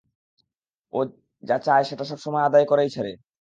ও যা চায় সেটা সবসময় আদায় করেই ছাড়ে।